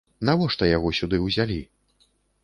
Навошта яго сюды ўзялі?